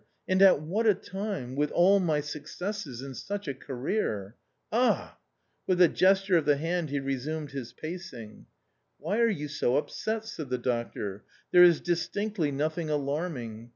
And at what a time — with all my successes, in such a career ! Ah !" With a gesture of the hand he resumed his pacing. " Why are yo u_so upset?^" said the doctor. "There is. distin ctly noth ing "alarming.